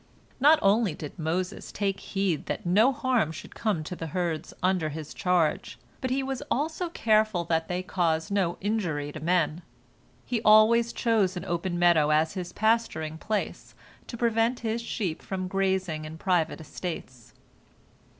" Not only did Moses take heed that no harm should come to the herds under his charge, but he was also careful that they cause no injury to men. He always chose an open meadow as his pasturing place, to prevent his sheep from grazing in private estates.